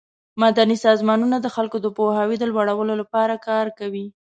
مدني سازمانونه د خلکو د پوهاوي د لوړولو لپاره کار کوي.